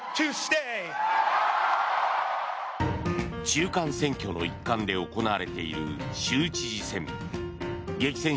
中間選挙の一環で行われている州知事選。